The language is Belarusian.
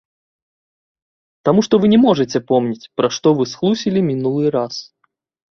Таму што вы не можаце помніць, пра што вы схлусілі мінулы раз.